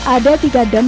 ada tiga jalan